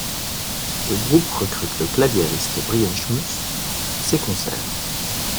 Le groupe recrute le claviériste Brian Schmutz pour ses concerts.